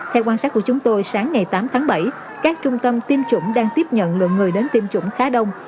theo quan sát của chúng tôi sáng ngày tám tháng bảy các trung tâm tiêm chủng đang tiếp nhận lượng người đến tiêm chủng khá đông